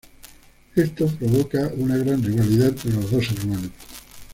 Esto provoca una gran rivalidad entre los dos hermanos.